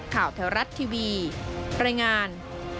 ข่าวแถวรัฐทีวีประงาน